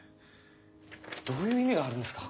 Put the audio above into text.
どういう意味があるんですか？